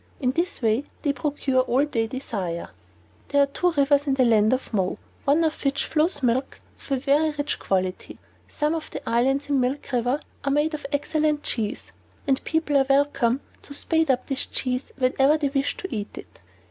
In this way they procure all they desire. There are two rivers in the Land of Mo, one of which flows milk of a very rich quality. Some of the islands in Milk River are made of excellent cheese, and the people are welcome to spade up this cheese whenever they wish to eat it.